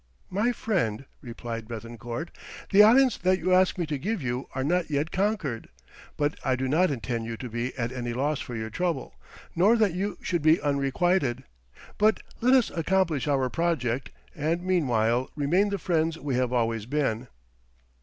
"My friend," replied Béthencourt, "the islands that you ask me to give you are not yet conquered, but I do not intend you to be at any loss for your trouble, nor that you should be unrequited; but let us accomplish our project, and meanwhile remain the friends we have always been."